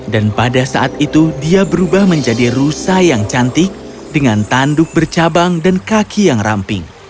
dan pada saat itu dia berubah menjadi rusa yang cantik dengan tanduk bercabang dan kaki yang ramping